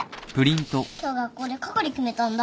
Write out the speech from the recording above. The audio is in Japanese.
今日学校で係決めたんだ。